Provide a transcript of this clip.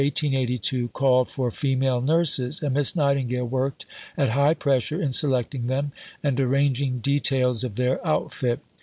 V The Egyptian campaign of 1882 called for female nurses, and Miss Nightingale worked at high pressure in selecting them, and arranging details of their outfit.